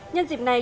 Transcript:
nhân dịp này